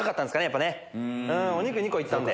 やっぱお肉２個いってたんで。